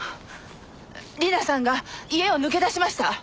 里奈さんが家を抜け出しました！